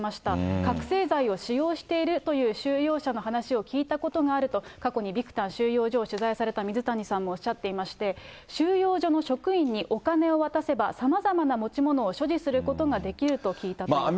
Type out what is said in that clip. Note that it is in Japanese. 覚醒剤を使用しているという収容者の話を聞いたことがあると、過去にビクタン収容所を取材された水谷さんもおっしゃっていまして、収容所の職員にお金を渡せば、さまざまな持ち物を所持することができると聞いたということです。